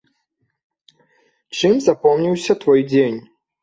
Чым запомніўся той дзень?